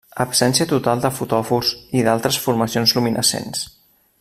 Absència total de fotòfors i d'altres formacions luminescents.